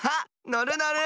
のるのる！